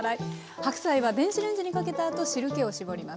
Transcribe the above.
白菜は電子レンジにかけたあと汁けを絞ります。